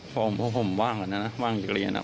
พวกผมว่างกันนั้นนะว่างอีกเรียนนะ